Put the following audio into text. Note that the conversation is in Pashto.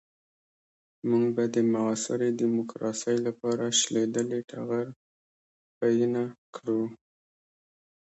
موږ به د معاصرې ديموکراسۍ لپاره شلېدلی ټغر پينه کړو.